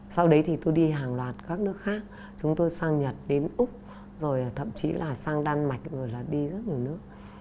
sau đấy thì tôi đi hàng loạt các nước khác chúng tôi sang nhật đến úc rồi thậm chí là sang đan mạch rồi là đi rất nhiều nước